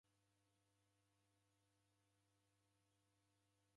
Ofwa uko mndu mtini.